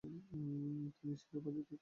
তিনি সেই উপাধি ত্যাগ করেন।